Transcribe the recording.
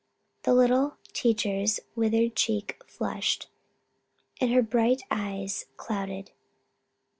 The little teacher's withered cheek flushed and her bright little eyes clouded.